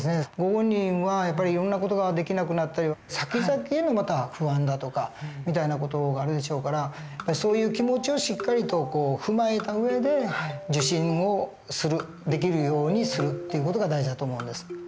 ご本人はやっぱりいろんな事ができなくなったりさきざきへの不安だとかみたいな事があるでしょうからそういう気持ちをしっかりと踏まえた上で受診をするできるようにするっていう事が大事だと思うんです。